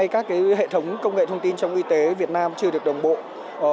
các hệ thống công nghệ thông tin trong y tế việt nam chưa được đồng bộ